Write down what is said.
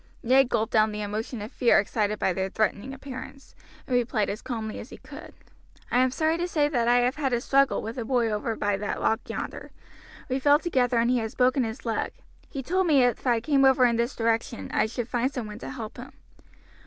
Ned gulped down the emotion of fear excited by their threatening appearance, and replied as calmly as he could: "I am sorry to say that I have had a struggle with a boy over by that rock yonder. We fell together, and he has broken his leg. He told me if I came over in this direction I should find some one to help him."